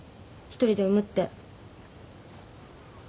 １人で産むって。